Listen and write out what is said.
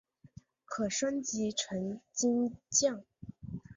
可升级成金将。